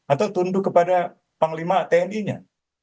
atau tunduk kepada panglima tni nya